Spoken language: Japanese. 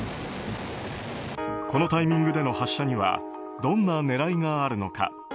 このタイミングでの発射にはどんな狙いがあるのか。